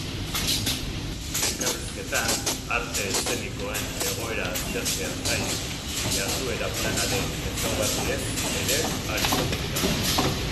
Elkarrizketan, arte eszenikoen egoera aztertzeaz gain, jarduera-planaren ezaugarriez ere arituko dira.